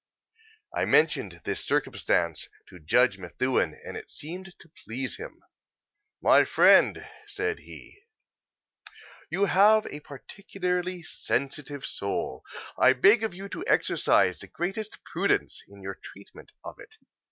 I mentioned this circumstance to Judge Methuen, and it seemed to please him. "My friend," said he, "you have a particularly sensitive soul; I beg of you to exercise the greatest prudence in your treatment of it.